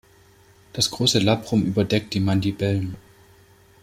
Das große Labrum überdeckt die Mandibeln.